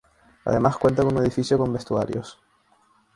Además cuenta con un edificio con vestuarios.